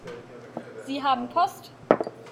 Sie haben Post.